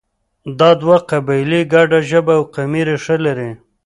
دا دوه قبیلې ګډه ژبه او قومي ریښه لري